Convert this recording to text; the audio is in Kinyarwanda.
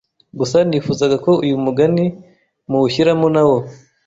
gusa nifuzaga ko uyu mugani muwushyiramo nawo